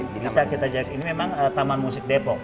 bisa kita jaga ini memang taman musik depok